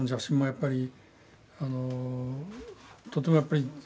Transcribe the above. やっぱり。